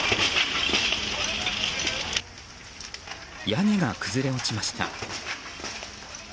屋根が崩れ落ちました。